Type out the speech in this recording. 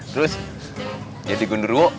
terus jadi gundurwo